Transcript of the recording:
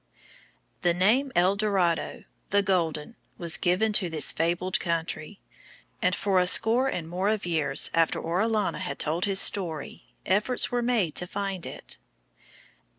The name El Dorado, "The Golden," was given to this fabled country; and for a score or more of years after Orellana had told his story, efforts were made to find it.